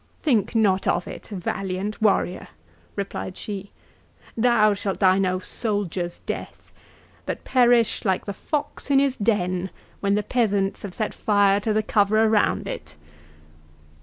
"Think not of it, valiant warrior!" replied she; "thou shalt die no soldier's death, but perish like the fox in his den, when the peasants have set fire to the cover around it."